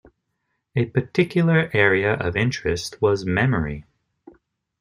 A particular area of interest was memory.